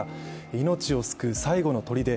命を救う最後のとりで。